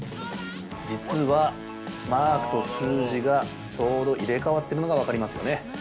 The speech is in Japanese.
実は、マークと数字が、ちょうど入れ替わっているのが分かりますよね。